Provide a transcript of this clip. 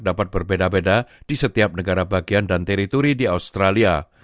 di setiap negara bagian dan teritori di australia